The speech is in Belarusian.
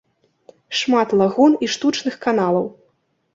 Шмат лагун і штучных каналаў.